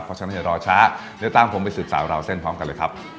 เพราะฉะนั้นอย่ารอช้าเดี๋ยวตามผมไปสืบสาวราวเส้นพร้อมกันเลยครับ